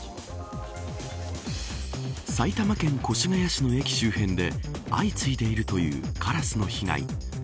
埼玉県越谷市の駅周辺で相次いでいるというカラスの被害。